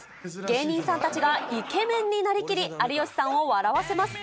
芸人さんたちがイケメンになりきり、有吉さんを笑わせます。